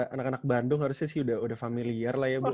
anak anak bandung harusnya sih udah familiar lah ya bu